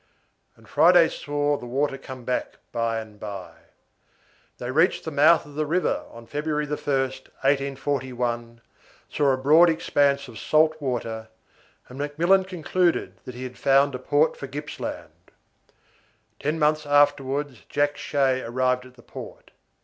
And Friday saw the water come back by and by. They reached the mouth of the river on February 1st, 1841, saw a broad expense of salt water, and McMillan concluded that he had found a port for Gippsland. Ten months afterwards Jack Shay arrived at the port.